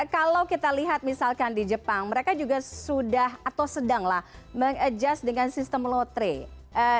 kalau kita lihat misalkan di jepang mereka juga sudah atau sedanglah mengadjust dengan sistem lotre